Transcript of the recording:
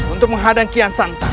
untuk menghadang kian santang